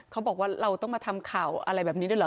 เขาบอกว่าเราต้องมาทำข่าวอะไรแบบนี้ด้วยเหรอ